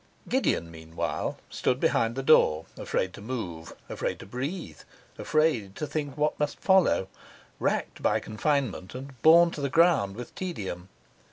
Gideon, meanwhile, stood behind the door, afraid to move, afraid to breathe, afraid to think of what must follow, racked by confinement and borne to the ground with tedium.